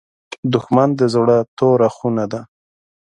دښمن د زړه توره خونه ده